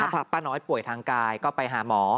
ถ้าป้าน้อยป่วยทางกายก็ไปหาหมอ